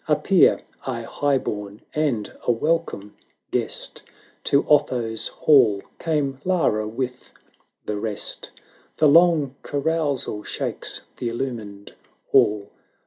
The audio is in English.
Appear — a high born and a welcome guest To Otho's hall came Lara with the rest. The long carousal shakes the illumined hall.